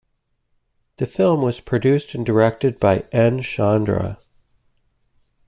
The film was produced and directed by N. Chandra.